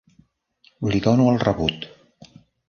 Li dono el rebut.